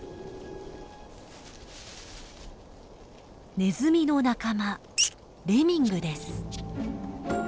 ネズミの仲間レミングです。